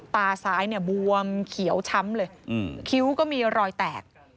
ตาซ้ายเนี่ยบวมเขียวช้ำเลยคิ้วก็มีรอยแตก